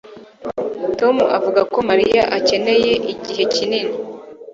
Tom avuga ko Mariya akeneye igihe kinini